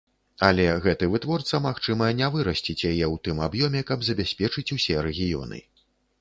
Але гэты вытворца, магчыма, не вырасціць яе ў тым аб'ёме, каб забяспечыць усе рэгіёны.